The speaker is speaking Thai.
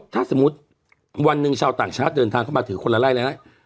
ถ้าสมมุติวันหนึ่งชาวต่างชาติเดินทางเข้ามาถือคนละไล่เลยนะ